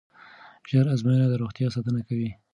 ژر ازموینه د روغتیا ساتنه کوي.